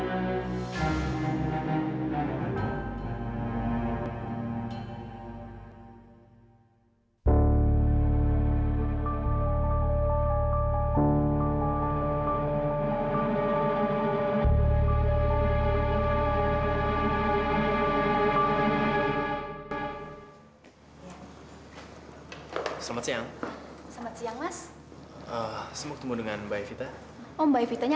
nanti kita ngomong baik baik ya